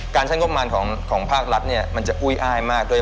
การใช้งบประมาณของภาครัฐเนี่ยมันจะอุ้ยอ้ายมากด้วย